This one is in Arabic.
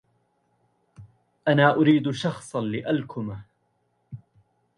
انا اريد شخصاً لألكمه